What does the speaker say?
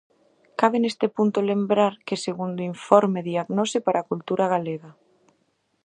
Cabe neste punto lembrar que segundo o informe Diagnose para a cultura galega.